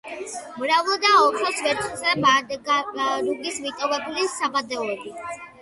მრავლადაა ოქროს, ვერცხლისა და მანგანუმის მიტოვებული საბადოები.